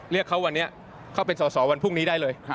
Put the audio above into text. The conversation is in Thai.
เรียกเขาวันนี้เข้าเป็นสอสอวันพรุ่งนี้ได้เลย